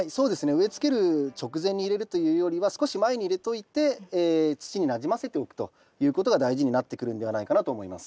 植えつける直前に入れるというよりは少し前に入れといて土になじませておくということが大事になってくるんではないかなと思います。